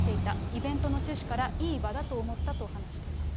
イベントの趣旨から、いい場だと思ったと話しています。